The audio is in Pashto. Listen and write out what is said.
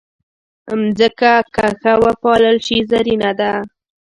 مځکه که ښه وپالل شي، زرینه ده.